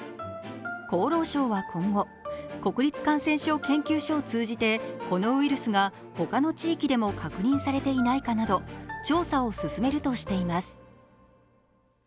厚労省は今後、国立感染症研究所を通じて、このウイルスが他の地域でも確認されていないかなど調査を進めるとしています。